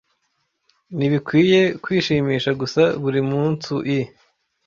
nibikwiye kwishimisha gusa buri munsu=i